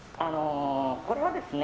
これはですね